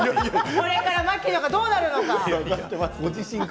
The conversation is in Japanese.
これから槙野がどうなるのか。